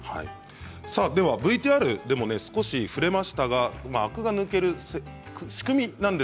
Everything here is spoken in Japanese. ＶＴＲでも少し触れましたがアクが抜ける仕組み